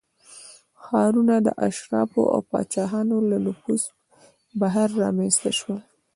ښارونه د اشرافو او پاچاهانو له نفوذ بهر رامنځته شول